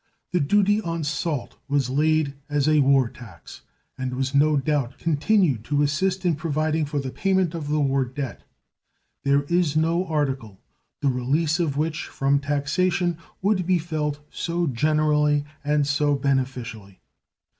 The duty on salt was laid as a war tax, and was no doubt continued to assist in providing for the payment of the war debt. There is no article the release of which from taxation would be felt so generally and so beneficially.